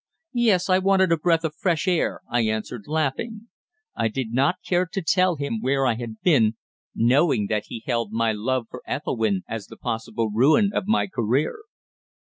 "Yes, I wanted a breath of fresh air," I answered, laughing. I did not care to tell him where I had been, knowing that he held my love for Ethelwynn as the possible ruin of my career.